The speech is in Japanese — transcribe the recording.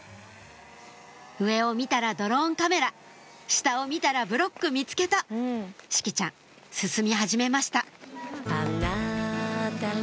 上を見たらドローンカメラ下を見たらブロック見つけた志葵ちゃん進み始めました